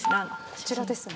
こちらですね。